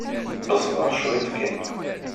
Beẓẓḍeɣ cwiṭ kan.